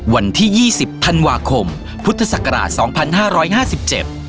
วันที่๒๐ธันวาคมพุทธศักราช๒๕๕๗